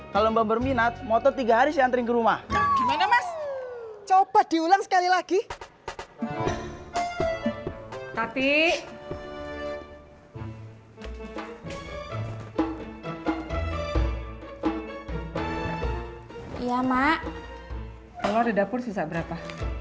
kalau ada dapur susah berapa